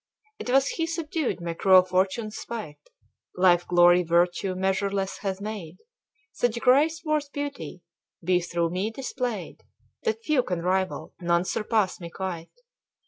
'Twas He subdued my cruel fortune's spite: Life glory virtue measureless hath made Such grace worth beauty be through me displayed That few can rival, none surpass me quite.